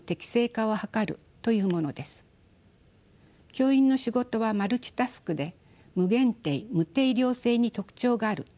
教員の仕事はマルチタスクで無限定・無定量性に特徴があるといわれています。